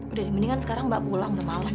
udah di mendingan sekarang mbak pulang udah malam